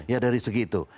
ya dari segi itu